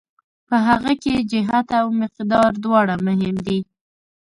په هغه کې جهت او مقدار دواړه مهم دي.